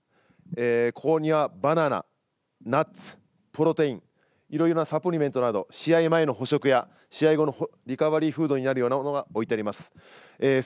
ここにはバナナ、ナッツプロテイン、いろいろなサプリメントなど試合前の補食や試合後のリカバリーフードになるようなものが置いてあります。